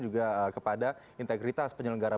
juga kepada integritas penyelenggara